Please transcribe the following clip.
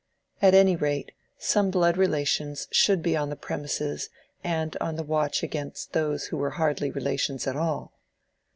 At any rate some blood relations should be on the premises and on the watch against those who were hardly relations at all.